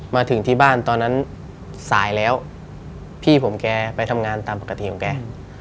มาถึงที่บ้านตอนนั้นสายแล้วพี่ผมแกไปทำงานตามปกติของแก